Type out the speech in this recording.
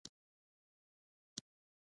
پیلوټ د حادثو مخنیوی کوي.